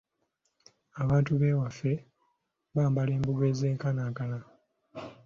Abantu b’ewaffe bambala embugo ez'enkanankana.